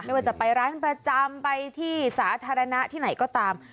ว่าจะไปร้านประจำไปที่สาธารณะที่ไหนก็ตาม